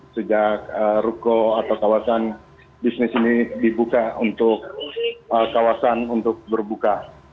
sejak ruko atau kawasan bisnis ini dibuka untuk kawasan untuk berbuka